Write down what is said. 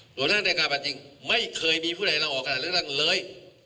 หลวงตั้งแต่งการแบบจริงไม่เคยมีผู้ให้เราออกขนาดนั้นเลย